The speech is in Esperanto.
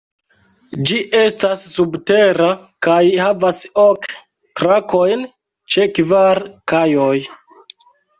Ĝi estas subtera kaj havas ok trakojn ĉe kvar kajoj.